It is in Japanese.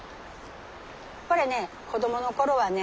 これね子どもの頃はね。